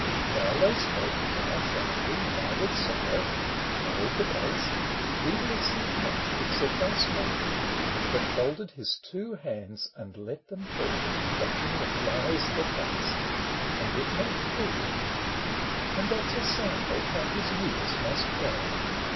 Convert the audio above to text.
While they spoke, Now sharply, now with sorrow, — told the case, — He listened not except I spoke to him, But folded his two hands and let them talk, Watching the flies that buzzed : and yet no fool. And that 's a sample how his years must go.